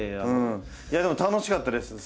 いやでも楽しかったです。